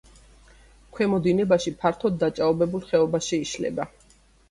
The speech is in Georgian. ქვემო დინებაში ფართოდ დაჭაობებულ ხეობაში იშლება.